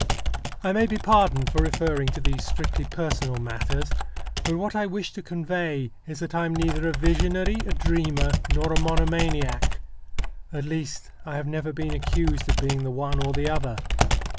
I may be pardoned for referring to these strictly personal matters ; but what I wish to convey is that I am neither a visionary, a dreamer, nor a monomaniac. At least, I have never been accused of being the one or the other.